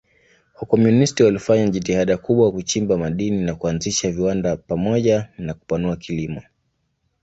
Wakomunisti walifanya jitihada kubwa kuchimba madini na kuanzisha viwanda pamoja na kupanua kilimo.